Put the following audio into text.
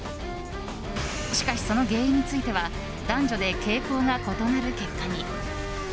しかし、その原因については男女で傾向が異なる結果に。